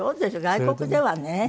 外国ではね。